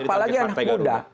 apalagi anak muda